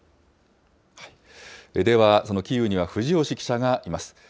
では、そのキーウには藤吉記者がいます。